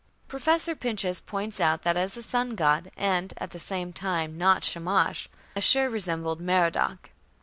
Professor Pinches points out that as a sun god, and "at the same time not Shamash", Ashur resembled Merodach.